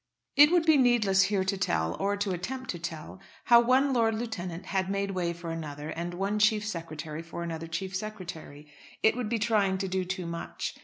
It would be needless here to tell, or to attempt to tell, how one Lord Lieutenant had made way for another, and one Chief Secretary for another Chief Secretary. It would be trying to do too much.